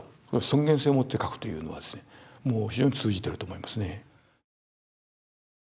尊厳性をもって描くというのがもう非常に通じてると思いますね。